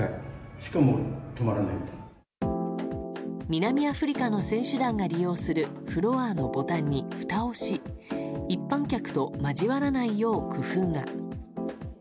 南アフリカの選手団が利用するフロアのボタンにふたをし一般客と交わらないよう工夫が。